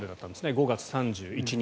５月３１日。